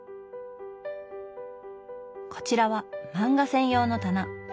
こちらは漫画専用の棚。